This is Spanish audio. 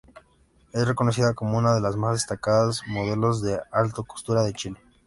Es reconocida como una de las más destacadas modelos de alta costura de Chile.